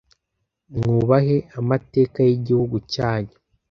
Mwubahe amateka y igihungu cyanyu